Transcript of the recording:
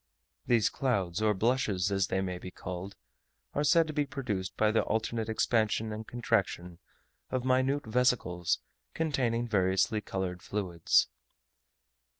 These clouds, or blushes as they may be called, are said to be produced by the alternate expansion and contraction of minute vesicles containing variously coloured fluids.